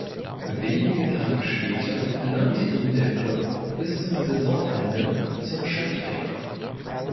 Wenige Tage später ernannte ihn der Klub bis zum Saisonende zum Cheftrainer.